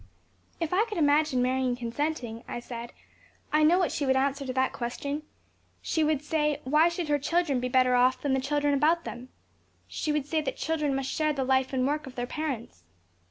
"If I could imagine Marion consenting." I said, "I know what she would answer to that question. She would say, Why should her children be better off than the children about them? She would say that the children must share the life and work of their parents."